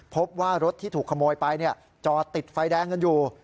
พบว่ารถที่ถูกขโมยไปจอดติดไฟแดงกันอยู่